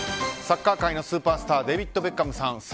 サッカー界のスーパースターデービッド・ベッカムさん